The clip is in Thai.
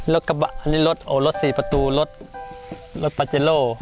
รถกระบะรถสี่ประตูรถปาเจโร่